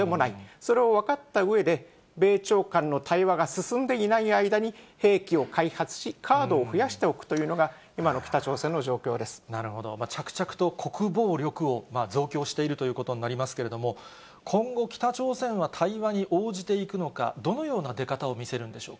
それを分かったうえで、米朝間の対話が進んでいない間に、兵器を開発し、カードを増やしておくというのが、なるほど、着々と国防力を増強しているということになりますけれども、今後、北朝鮮は対話に応じていくのか、どのような出方を見せるんでしょ